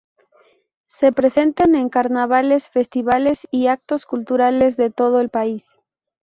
Se presentan en carnavales, festivales y actos culturales de todo el país.